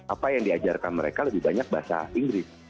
apa yang diajarkan mereka lebih banyak bahasa inggris